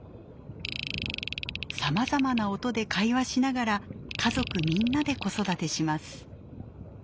さまざまな音で会話しながら家族みんなで子育てします。